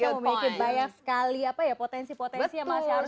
anda memiliki banyak potensi yang masih harus digali